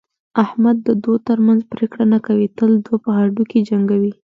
احمد د دوو ترمنځ پرېکړه نه کوي، تل دوه په هډوکي جنګوي.